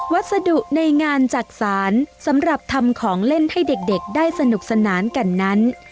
วัสดุในงานจักษานสำหรับทำของเล่นให้เด็กได้สนุกสนานกันนั้น